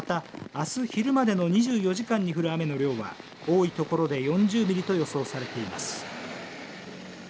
また、あす昼までの２４時間に降る雨の量は多いところで４０ミリと予想されています。